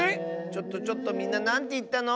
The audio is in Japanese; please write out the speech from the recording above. ちょっとちょっとみんななんていったの？